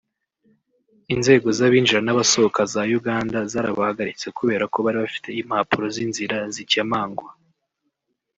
Inzego z’abinjira n’abasohoka za Uganda zarabahagaritse kubera ko bari bafite impapuro z’inzira zikemangwa